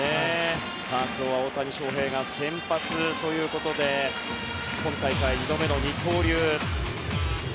今日は大谷翔平が先発ということで今大会２度目の二刀流。